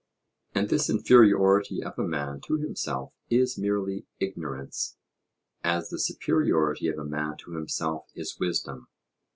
And this inferiority of a man to himself is merely ignorance, as the superiority of a man to himself is wisdom.